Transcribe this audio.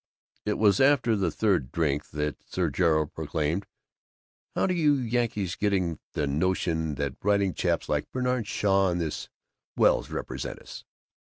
It was after the third drink that Sir Gerald proclaimed, "How do you Yankees get the notion that writing chaps like Bertrand Shaw and this Wells represent us?